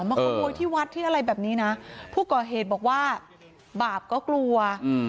มาขโมยที่วัดที่อะไรแบบนี้นะผู้ก่อเหตุบอกว่าบาปก็กลัวอืม